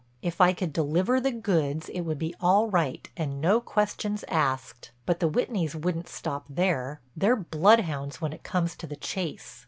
If I could deliver the goods it would be all right and no questions asked. But the Whitneys wouldn't stop there—they're bloodhounds when it comes to the chase.